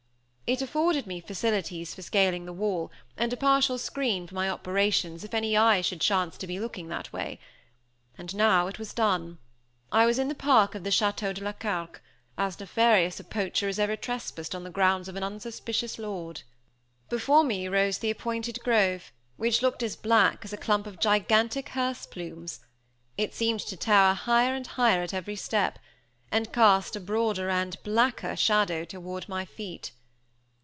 It afforded me facilities for scaling the wall, and a partial screen for my operations if any eye should chance to be looking that way. And now it was done. I was in the park of the Château de la Carque, as nefarious a poacher as ever trespassed on the grounds of unsuspicious lord! Before me rose the appointed grove, which looked as black as a clump of gigantic hearse plumes. It seemed to tower higher and higher at every step; and cast a broader and blacker shadow toward my feet.